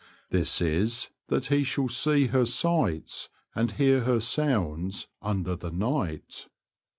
This is that he shall see her sights and hear her sounds under the night.